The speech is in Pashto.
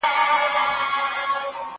خندا دي په نغمو و په رباب کي نه ځايږي